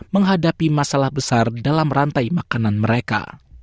menghadapi masalah besar dalam rantai makanan mereka